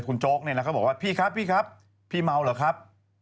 แต่คุณโจ๊กเนี่ยต่อมาพี่ครับพี่มาวเหรอครับ